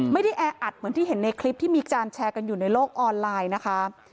แออัดเหมือนที่เห็นในคลิปที่มีการแชร์กันอยู่ในโลกออนไลน์นะคะ